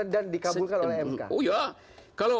dan dikabulkan oleh mk